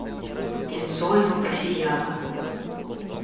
Лицо его просияло.